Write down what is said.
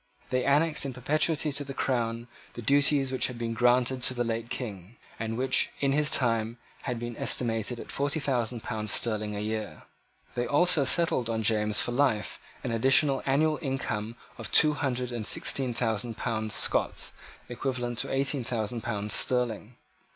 They annexed in perpetuity to the crown the duties which had been granted to the late King, and which in his time had been estimated at forty thousand pounds sterling a year. They also settled on James for life an additional annual income of two hundred and sixteen thousand pounds Scots, equivalent to eighteen thousand pounds sterling.